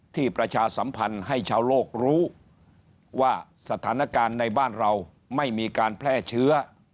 ประชาสัมพันธ์ให้ชาวโลกรู้ว่าสถานการณ์ในบ้านเราไม่มีการแพร่เชื้อ